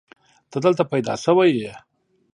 ته دلته پيدا شوې يې.